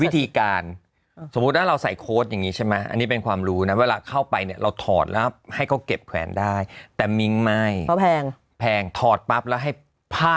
แต่คนเราต้องใส่เดี๋ยวก็ไม่รู้